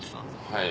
はい。